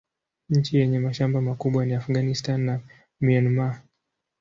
Nchi yenye mashamba makubwa ni Afghanistan na Myanmar.